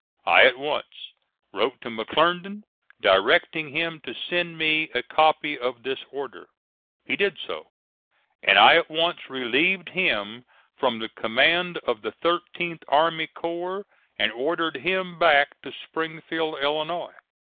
I at once wrote to McClernand, directing him to send me a copy of this order. He did so, and I at once relieved him from the command of the 13th army corps and ordered him back to Springfield, Illinois.